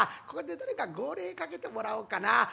ここで誰か号令かけてもらおうかな。